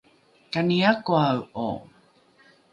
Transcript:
kani akoae’o?